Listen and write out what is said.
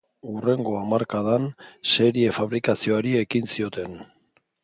Hurrengo hamarkadan serie-fabrikazioari ekin zioten.